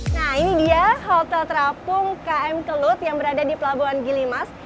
nah ini dia hotel terapung km kelut yang berada di pelabuhan gilimas